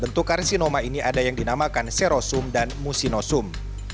bentuk karsinoma ini ada yang dinamakan serosum dan musinosum